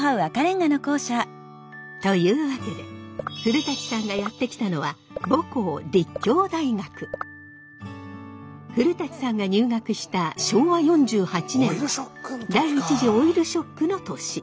というわけで古さんがやって来たのは母校古さんが入学した昭和４８年は第１次オイルショックの年。